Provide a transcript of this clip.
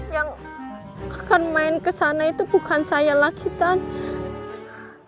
yang akan main kesana itu bukan saya lagi tante